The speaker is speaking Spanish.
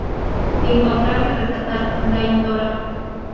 Que encontrar y rescatar Dain Tora.